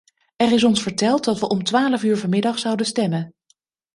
Er is ons verteld dat we om twaalf uur vanmiddag zouden stemmen.